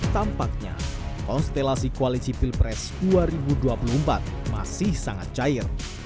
tampaknya konstelasi koalisi pilpres dua ribu dua puluh empat masih sangat cair